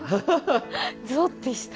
ぞってした。